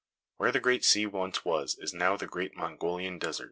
Where the great sea once was is now the great Mongolian Desert.